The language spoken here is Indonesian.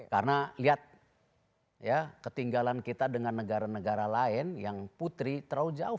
karena lihat ya ketinggalan kita dengan negara negara lain yang putri terlalu jauh